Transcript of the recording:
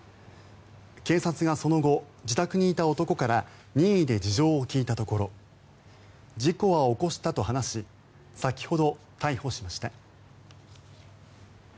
警察がその後、自宅にいた男から任意で事情を聴いたところ事故は起こしたと話し先ほど逮捕しました。